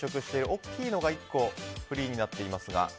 大きいのが１個フリーになっていますが。